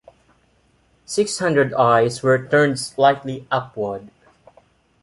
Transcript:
Six hundred eyes were turned slightly upward.